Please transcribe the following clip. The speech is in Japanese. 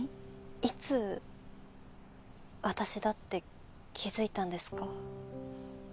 いつ私だって気付いたんですか？